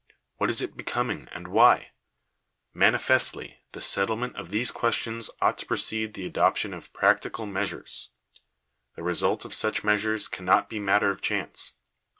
what is it be coming, and why ? Manifestly the settlement of these ques tions ought to precede the adoption of "practical measures." The result of such measures cannot be matter of chance.